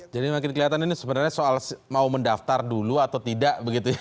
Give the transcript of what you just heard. jadi makin keliatan ini sebenarnya soal mau mendaftar dulu atau tidak begitu ya